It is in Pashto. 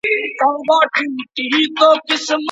د خطا قتل کفاره څه شی ټاکل سوې ده؟